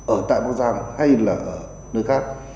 ở tại bắc giang hay là ở nơi khác